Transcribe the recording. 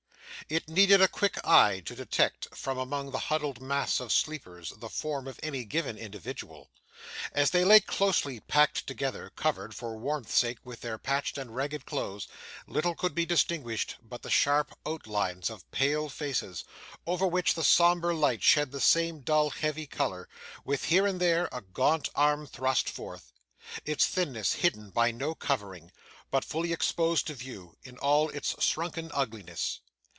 It needed a quick eye to detect, from among the huddled mass of sleepers, the form of any given individual. As they lay closely packed together, covered, for warmth's sake, with their patched and ragged clothes, little could be distinguished but the sharp outlines of pale faces, over which the sombre light shed the same dull heavy colour; with, here and there, a gaunt arm thrust forth: its thinness hidden by no covering, but fully exposed to view, in all its shrunken ugliness.